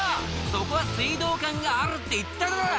そこは水道管があるって言っただろ！」